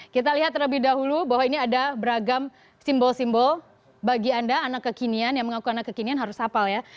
kita lihat terlebih dahulu bahwa ini ada beragam simbol simbol bagi anda anak kekinian yang mengaku anak kekinian harus hafal ya